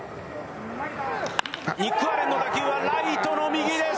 ニック・アレンの打球はライトの右です。